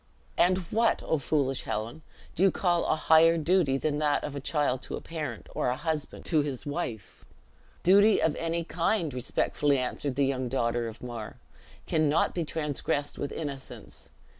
'" "And what, O foolish Helen, do you call a higher duty than that of a child to a parent, or a husband to his wife?" "Duty of any kind," respectfully answered the young daughter of Mar, "cannot be transgressed with innocence.